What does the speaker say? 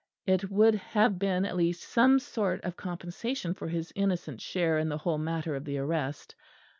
It would have been at least some sort of compensation for his innocent share in the whole matter of the arrest.